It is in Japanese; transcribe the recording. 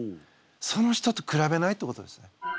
その人とくらべないってことですね。